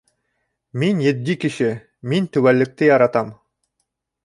Мин етди кеше, мин теүәллекте яратам.